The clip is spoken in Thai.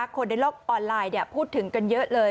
คนในโลกออนไลน์พูดถึงกันเยอะเลย